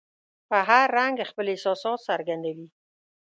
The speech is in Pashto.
په هر رنګ خپل احساسات څرګندوي.